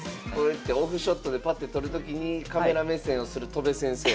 オフショットでパッて撮る時にカメラ目線をする戸辺先生